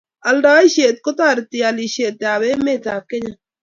aldaishet ko tareti halishet ab emet ab kenya